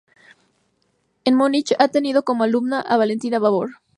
En Munich ha tenido como alumna a Valentina Babor.